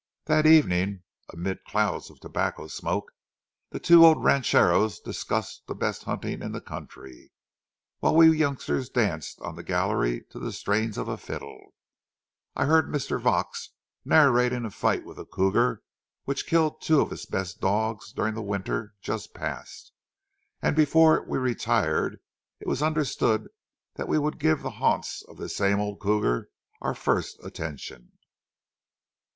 That evening, amid clouds of tobacco smoke, the two old rancheros discussed the best hunting in the country, while we youngsters danced on the gallery to the strains of a fiddle. I heard Mr. Vaux narrating a fight with a cougar which killed two of his best dogs during the winter just passed, and before we retired it was understood that we would give the haunts of this same old cougar our first attention.